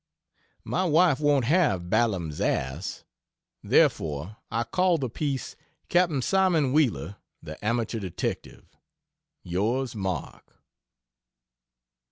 My wife won't have "Balaam's Ass"; therefore I call the piece "Cap'n Simon Wheeler, The Amateur Detective." Yrs MARK.